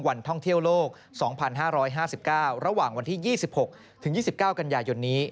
วันท่องเที่ยวโลก๒๕๕๙ระหว่างวันที่๒๖ถึง๒๙กันยายนนี้